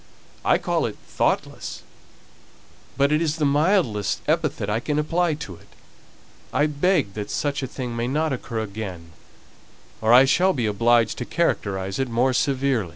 I call it thoughtless, but it's the mildest epithet I can apply to it. I beg that such a thing may not occur again, or I shall be obliged to characterize it more severely."